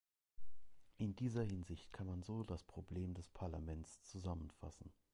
In dieser Hinsicht kann man so das Problem des Parlaments zusammenfassen.